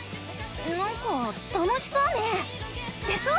なんか楽しそうねぇ。でしょ！